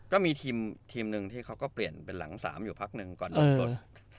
ก็มีทีมหนึ่งที่เขาก็เปลี่ยนเป็นหลัง๓อยู่พักหนึ่งก่อนลงรถ